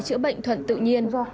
chữa bệnh thuận tự nhiên